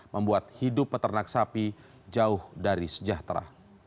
membuat hidup peternak sapi jauh dari sejahtera